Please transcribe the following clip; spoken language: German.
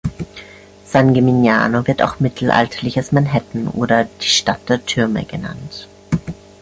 San Gimignano wird auch „Mittelalterliches Manhattan“ oder die „Stadt der Türme“ genannt.